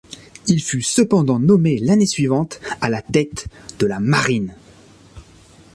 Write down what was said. Il fut cependant nommé l'année suivante à la tête de la marine.